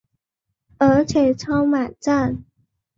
而且超满载